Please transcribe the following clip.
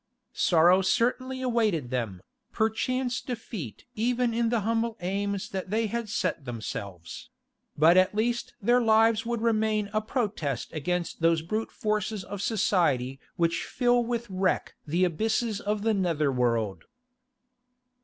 Sorrow certainly awaited them, perchance defeat in even the humble aims that they had set themselves; but at least their lives would remain a protest against those brute forces of society which fill with wreck the abysses of the nether world.